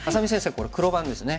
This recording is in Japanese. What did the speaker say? これ黒番ですね。